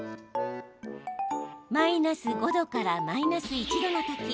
マイナス５度からマイナス１度のとき